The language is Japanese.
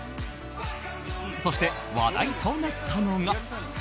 そして、話題となったのが。